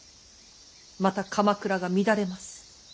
また鎌倉が乱れます。